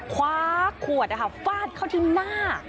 คว้าขวดฟาดเข้าที่หน้า